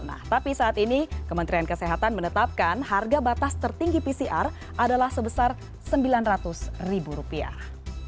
nah tapi saat ini kementerian kesehatan menetapkan harga batas tertinggi pcr adalah sebesar sembilan ratus ribu rupiah